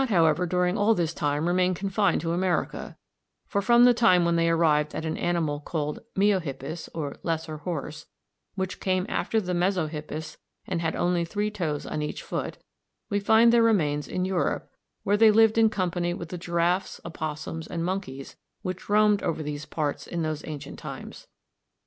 ] They did not, however, during all this time remain confined to America, for, from the time when they arrived at an animal called Miohippus, or lesser horse, which came after the Mesohippus and had only three toes on each foot, we find their remains in Europe, where they lived in company with the giraffes, opossums, and monkeys which roamed over these parts in those ancient times.